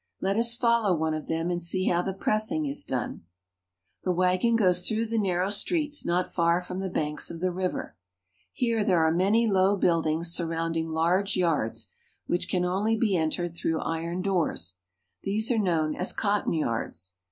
Let us follow one of them, and see how the pressing is done. The wagon goes through the narrow streets not far from the banks of the river. Here there are many low build ings surrounding large yards, which can only be entered through iron doors. These are known as cotton yards.